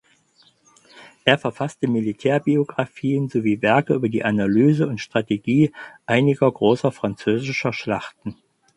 Er verfasste Militärbiografien sowie Werke über die Analyse und Strategie einiger großer französischer Schlachten.